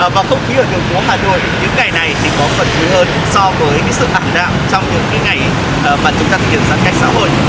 và không khí ở đường phố hà nội những ngày này thì có phần truyền hơn so với những sự tạm đạo trong những ngày mà chúng ta thực hiện giãn cách xã hội